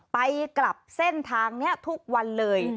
ไปกลับเส้นทางนี้ทุกวันเลย